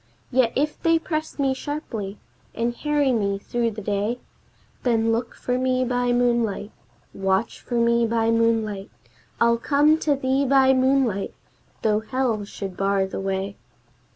Yet if they press me sharply, and harry me through the day, Then look for me by moonlight, Watch for me by moonlight, I'll come to thee by moonlight, though hell should bar the way."